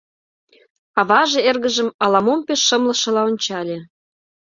Аваже эргыжым ала-мом пеш шымлышыла ончале.